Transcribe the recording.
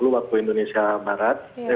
waktu indonesia tengah